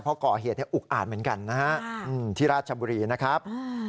เพราะก่อเหตุอุกอาจเหมือนกันนะฮะที่ราชบุรีนะครับ